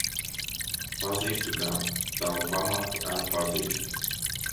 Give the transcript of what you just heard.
Pazīstu gan. Tavu pamāti ar pazīstu.